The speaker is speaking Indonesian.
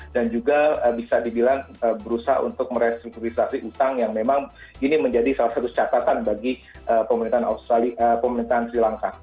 dan juga bisa dibilang berusaha untuk merestrukturisasi utang yang memang ini menjadi salah satu catatan bagi pemerintahan sri lanka